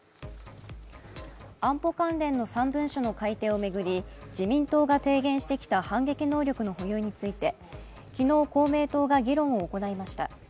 安保関連の３文書の改定を巡り、自民党が提言してきた反撃能力の保有について昨日、公明党が議論を行いました。